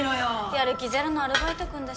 やる気ゼロのアルバイトくんだし。